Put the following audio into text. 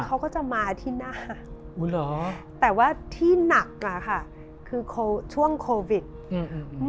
เขาก็จะมาที่หน้าอ๋อเหรอแต่ว่าที่หนักอ่ะค่ะคือโคช่วงโควิดอืม